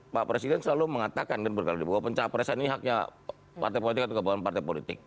pak presiden selalu mengatakan dan berkali bahwa pencapresan ini haknya partai politik atau kebohongan partai politik